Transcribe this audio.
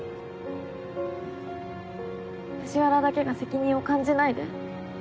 藤原だけが責任を感じないで。